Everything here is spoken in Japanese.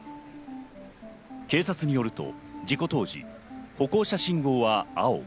警察によると事故当時、歩行者信号は青。